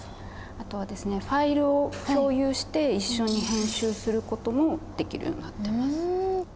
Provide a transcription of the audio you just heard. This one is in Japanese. あとはですねファイルを共有して一緒に編集することもできるようになってます。